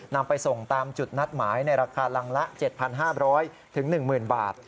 นำไปส่งตามจุดนัดหมายในราคารังละ๗๕๐๐๑๐๐๐บาท